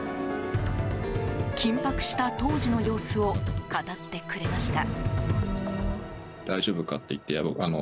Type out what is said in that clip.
緊迫した当時の様子を語ってくれました。